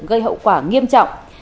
gây hậu quả nghiêm trọng